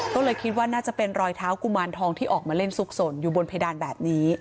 ก็เลยคิดว่าน่าจะเป็นรอยเท้ากุมารทองที่ออกมาเล่นซุกสนอยู่บนเพดานแบบนี้